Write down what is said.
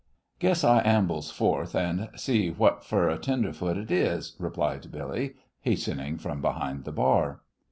"Guess I ambles forth and sees what fer a tenderfoot it is," replied Billy, hastening from behind the bar.